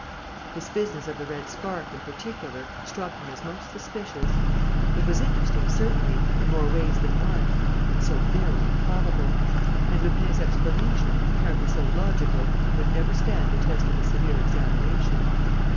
This business of the red scarf, in particular, struck him as most suspicious. It was interesting, certainly, in more ways than one, but so very improbable! And Lupin's explanation, apparently so logical, would never stand the test of a severe examination!